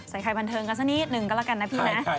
ใครบันเทิงกันสักนิดนึงก็แล้วกันนะพี่นะ